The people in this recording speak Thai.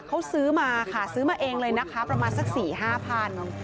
เขาซื้อมาค่ะซื้อมาเองเลยนะคะประมาณสัก๔๕พัน